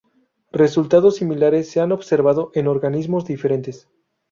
Resultados similares se han observado en organismos diferentes.